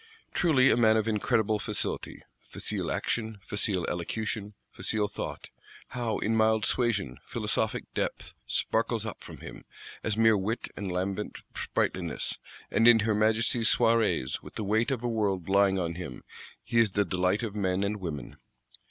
Truly a man of incredible facility; facile action, facile elocution, facile thought: how, in mild suasion, philosophic depth sparkles up from him, as mere wit and lambent sprightliness; and in her Majesty's Soirees, with the weight of a world lying on him, he is the delight of men and women!